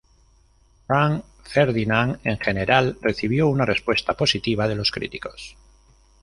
Franz Ferdinand en general recibió una respuesta positiva de los críticos.